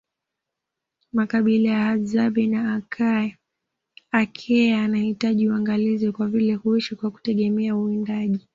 Makabila ya Hadzabe na Akea yanahitaji uangalizi kwa vile huishi kwa kutegemea uwindaji